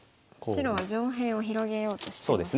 白は上辺を広げようとしてますね。